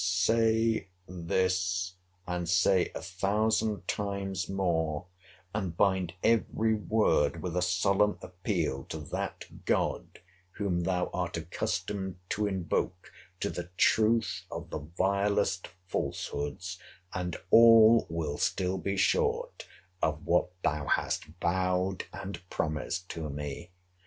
Say this, and say a thousand times more, and bind every word with a solemn appeal to that God whom thou art accustomed to invoke to the truth of the vilest falsehoods, and all will still be short of what thou has vowed and promised to me.